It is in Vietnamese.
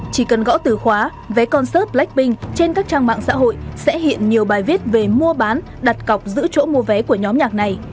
chỉ cần gõ từ khóa vé concep blackpink trên các trang mạng xã hội sẽ hiện nhiều bài viết về mua bán đặt cọc giữ chỗ mua vé của nhóm nhạc này